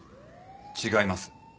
違います。